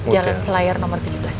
jalan selayar nomor tujuh belas